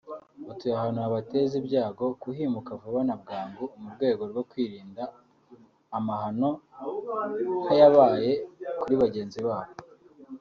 batuye ahantu habateza ibyago kuhimuka vuba na bwangu mu rwego rwo kwirinda amahano nk’ayabaye kuri bagenzi babo